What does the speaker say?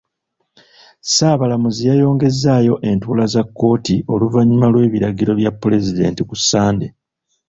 Ssaabalamuzi yayongezzaayo entuula za kkooti oluvannyuma lw'ebiragiro bya pulezidenti ku Ssande.